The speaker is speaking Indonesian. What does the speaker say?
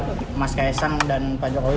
pak mas kesang dan pak jokowi